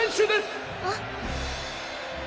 あっ。